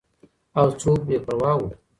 او څوک بې پروا وو.